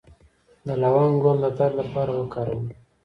د لونګ ګل د درد لپاره وکاروئ